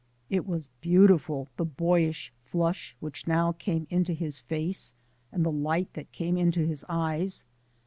It was beautiful, the boyish flush which now came into his face and the light that came into his eyes.